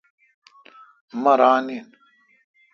مہ ران این ۔